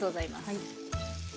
はい。